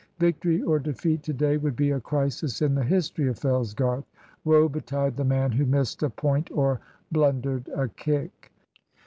Victory or defeat to day would be a crisis in the history of Fellsgarth. Woe betide the man who missed a point or blundered a kick!